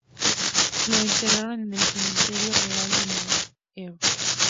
Lo enterraron en el cementerio real de Malaʻekula.